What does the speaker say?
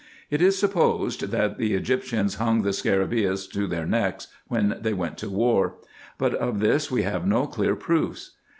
It is supposed, that the Egyptians hung the scarabseus to their necks when they went to war ; but of this we have no clear proofs.